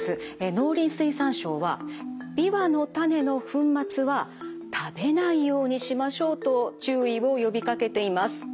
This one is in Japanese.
農林水産省はビワの種の粉末は食べないようにしましょうと注意を呼びかけています。